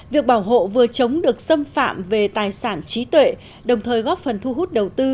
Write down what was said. việc bảo hộ vừa chống được xâm phạm về tài sản trí tuệ đồng thời góp phần thu hút đầu tư